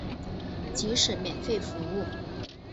即使免费服务